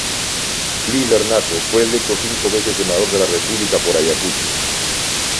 Líder nato, fue electo cinco veces Senador de la República por Ayacucho.